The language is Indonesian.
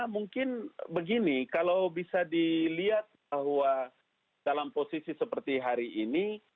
mungkin begini kalau bisa dilihat bahwa dalam posisi seperti hari ini